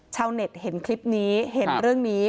ชาวเน็ตเห็นคลิปนี้เห็นเรื่องนี้